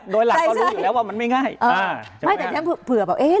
โดยหลักก็รู้อยู่แล้วว่ามันไม่ง่าย